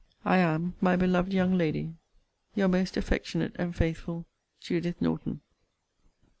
I am, my beloved young lady, Your most affectionate and faithful JUDITH NORTON.